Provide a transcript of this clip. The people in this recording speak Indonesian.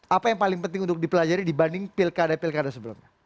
apa yang paling penting untuk dipelajari dibanding pilkada pilkada sebelumnya